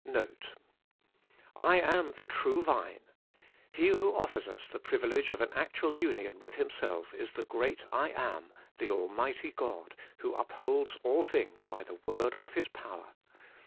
NOTE. *"I am the True Vine." He who offers us the privilege of an actual union with Himself is the great I Am, the almighty God, who upholds all things by the word of His power.